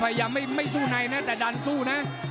พยายามไม่สู้ในนะแต่ดันสู้นะ